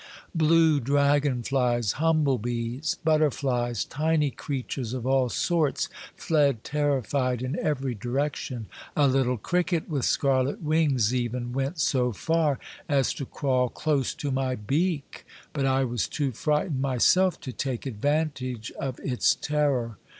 Blue dragon flies, humble bees, butterflies, tiny creatures of all sorts fled terrified in every direction. A little cricket with scarlet wings even went so far as to crawl close to my beak, but I was too frightened myself to take advantage of its terror.